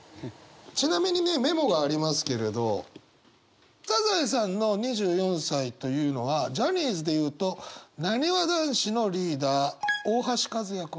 ちなみにねメモがありますけれどサザエさんの２４歳というのはジャニーズでいうとなにわ男子のリーダー大橋和也君。